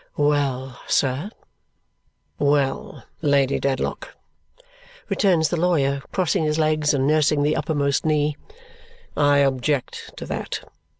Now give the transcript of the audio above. "Well, sir?" "Well, Lady Dedlock," returns the lawyer, crossing his legs and nursing the uppermost knee. "I object to that.